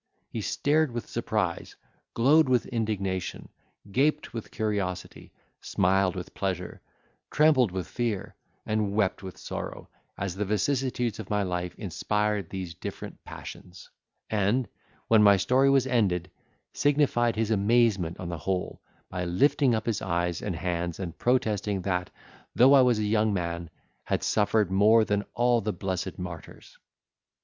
He stared with surprise, glowed with indignation, gaped with curiosity, smiled with pleasure, trembled with fear, and wept with sorrow, as the vicissitudes of my life inspired these different passions; and, when my story was ended, signified his amazement on the whole, by lifting up his eyes and hands and protesting that, though I was a young man, had suffered more than all the blessed martyrs.